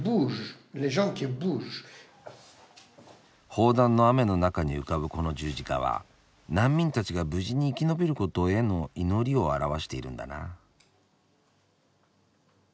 砲弾の雨の中に浮かぶこの十字架は難民たちが無事に生き延びることへの祈りを表しているんだな。